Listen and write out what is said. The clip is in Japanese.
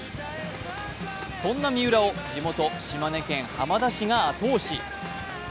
そんな三浦を地元・島根県浜田市が後押し。